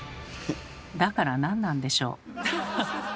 だからなんなんでしょう？